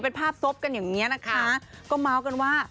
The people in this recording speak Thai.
เป็นภาพซบกันอย่างนี้นะคะก็เมาส์กันว่า